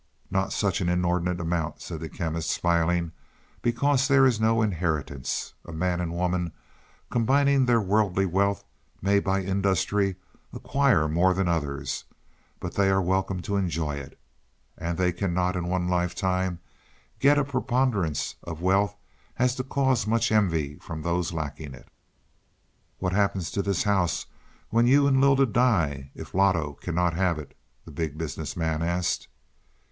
"Not such an inordinate amount," said the Chemist smiling. "Because there is no inheritance. A man and woman, combining their worldly wealth, may by industry acquire more than others, but they are welcome to enjoy it. And they cannot, in one lifetime, get such a preponderance of wealth as to cause much envy from those lacking it." "What happens to this house when you and Lylda die, if Loto cannot have it?" the Big Business Man asked.